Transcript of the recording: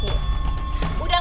udah gak punya uang